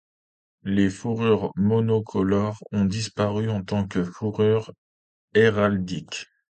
Les fourrures monocolores ont disparu en tant que fourrures héraldiques.